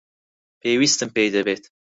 پێویستم پێی دەبێت.